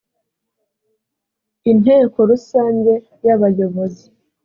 i nteko rusange yabayozi.